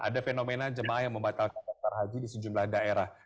ada fenomena jemaah yang membatalkan daftar haji di sejumlah daerah